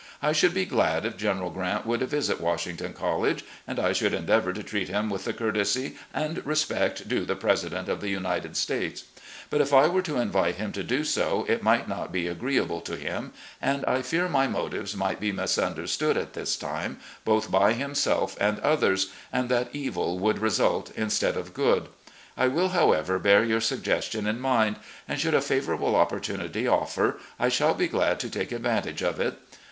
I should be glad if General Grant would visit Washington College, and I should endeavour to treat him with the courtesy and respect due the Presi dent of the United States ; but if I were to invite him to do so, it might not be agreeable to him, and I fear my motives might be misunderstood at this time, both by himself and others, and that evil would result instead of good. I will, however, bear your suggestion in mind, and should a favourable opportunity offer I shall be glad to take advantage of it.